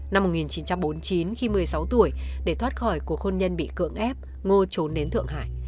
năm một nghìn chín trăm bốn mươi chín khi một mươi sáu tuổi để thoát khỏi cuộc hôn nhân bị cưỡng ép ngô trốn đến thượng hải